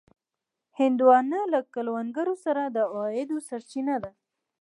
هندوانه له کروندګرو سره د عوایدو سرچینه ده.